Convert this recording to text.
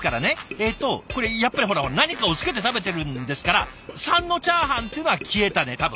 えっとこれやっぱり何かをつけて食べてるんですから３のチャーハンっていうのは消えたね多分。